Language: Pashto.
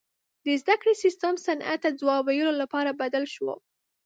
• د زدهکړې سیستم صنعت ته ځواب ویلو لپاره بدل شو.